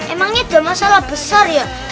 emangnya ada masalah besar ya